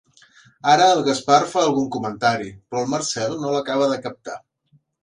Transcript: Ara el Gaspar fa algun comentari, però el Marcel no l'acaba de captar.